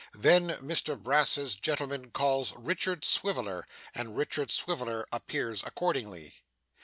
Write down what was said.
Then, Mr Brass's gentleman calls Richard Swiveller, and Richard Swiveller appears accordingly.